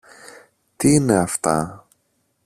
Τί είναι αυτά!